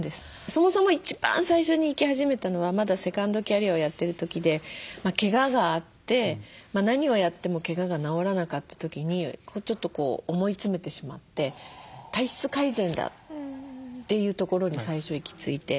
そもそも一番最初に行き始めたのはまだセカンドキャリアをやってる時でけががあって何をやってもけがが治らなかった時にちょっとこう思い詰めてしまって体質改善だ！っていうところに最初行き着いて。